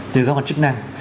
từ các con chức năng